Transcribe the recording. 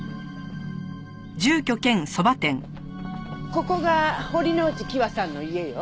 ここが堀之内希和さんの家よ。